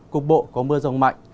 cục bộ có mưa rông mạnh